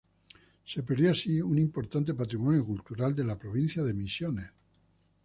Se perdió así un importante patrimonio cultural de la provincia de Misiones.